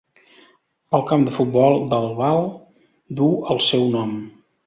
El camp de futbol d'Albal duu el seu nom.